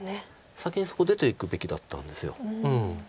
先にそこ出ていくべきだったんです。